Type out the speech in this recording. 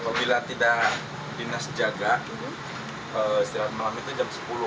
atau bila tidak dinas jaga istirahat malam itu jam sepuluh malam